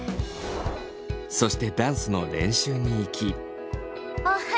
そしてダンスの練習に行き。